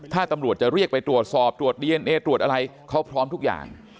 ถ้าตำรวจจะเรียกไปตรวจสอบตรวจดีเอนเอตรวจอะไรเขาพร้อมทุกอย่าง